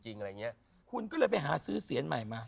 อะไรอย่างเงี้ยคุณก็เลยไปหาซื้อเสียงใหม่มา